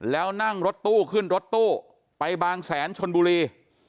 แล้วนั่งรถตู้ขึ้นรถตู้ไปบางแสนชนบุรี